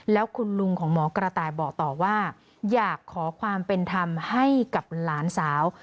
แล้วคุณลุงของหมอกระต่ายบอกต่อว่าอยากขอความเป็นธรรมให้กับหลานสาว